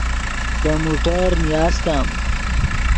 دے موٹر نیاستم